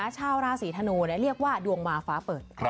ชาวราศีธนูเรียกว่าดวงมาฟ้าเปิด